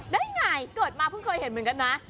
ได้ไงเกิดมาเพิ่งเคยเห็นเหมือนกันนะ